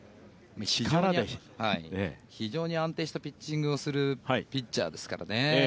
非常に安定したピッチングをするピッチャーですからね。